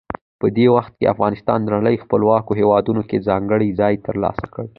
په دې وخت کې افغانستان د نړۍ خپلواکو هیوادونو کې ځانګړی ځای ترلاسه کړ.